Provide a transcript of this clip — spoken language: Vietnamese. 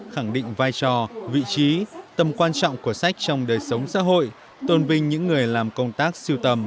khẳng định vai trò vị trí tầm quan trọng của sách trong đời sống xã hội tôn vinh những người làm công tác siêu tầm